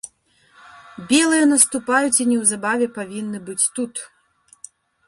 Белыя наступаюць і неўзабаве павінны быць тут.